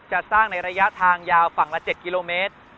จะสร้างในระยะทางยาวฝั่งละ๗กิโลเมตร